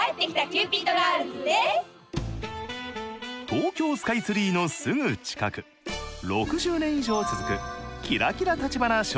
東京スカイツリーのすぐ近く６０年以上続くキラキラ橘商店街です。